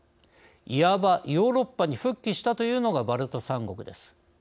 いわば、ヨーロッパに復帰したというのがバルト三国です。